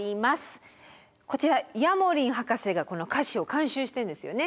こちらヤモリン博士がこの歌詞を監修してるんですよね？